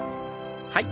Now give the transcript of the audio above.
はい。